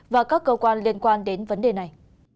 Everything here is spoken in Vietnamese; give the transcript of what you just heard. và các cơ quan liên quan đến vấn đề này